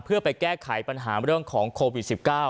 เพื่อไปแก้ไขปัญหาเรื่องของโควิด๑๙